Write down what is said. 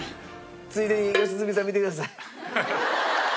ついでに良純さん見てください。